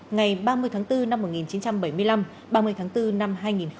ngày ba mươi tháng bốn năm một nghìn chín trăm bảy mươi năm ba mươi tháng bốn năm hai nghìn hai mươi